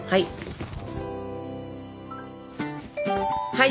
はい。